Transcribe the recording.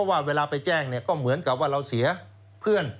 เพราะว่าเวลาไปแจ้งก็เหมือนกับว่าเราเสียเพื่อน